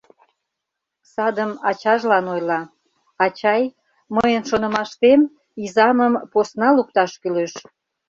Садым ачажлан ойла: «Ачай, мыйын шонымаштем, изамым посна лукташ кӱлеш.